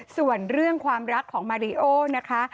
ส่วนเรื่องความรักของมาริโอนะคะ